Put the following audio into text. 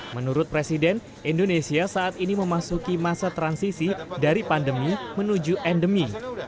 menurut presiden indonesia saat ini memasuki masa transisi dari pandemi menuju endemi